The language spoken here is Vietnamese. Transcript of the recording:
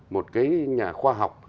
một cái nhà khoa học